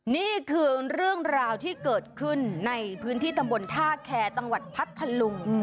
นี่คือเรื่องราวที่เกิดขึ้นในพื้นที่ตำบลท่าแคร์จังหวัดพัทธลุง